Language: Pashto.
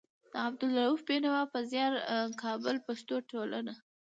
د عبدالروف بېنوا په زيار. کابل: پښتو ټولنه